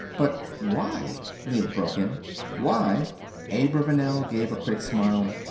"But why?" Neel broke in. "Why?" Abravanel gave a quick smile.